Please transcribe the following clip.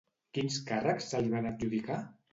Quins càrrecs se li van adjudicar?